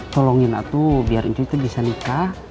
tolongin atu biar ucuy tuh bisa nikah